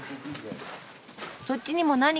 そっちにも何か？